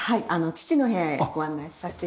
父の部屋へご案内させて頂きます。